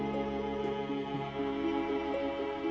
scared apa dia terjadi